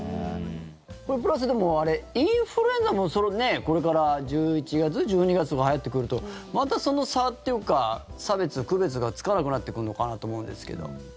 これプラスインフルエンザもこれから１１月、１２月とかはやってくるとまたその差というか差別、区別がつかなくなってくるのかなと思うんですけど。